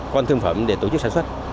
con thương phẩm để tổ chức sản xuất